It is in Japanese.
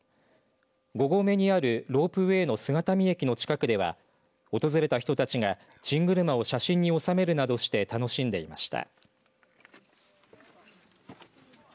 ５合目にあるロープウエーの姿見駅の近くでは訪れた人たちがチングルマを写真に収めるなどして楽しんでいました。